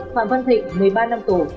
phạm văn thịnh một mươi ba năm tù